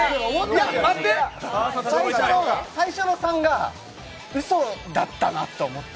最初の３がうそだったなと思って。